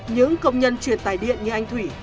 những công nhân truyền tải điện như anh thủy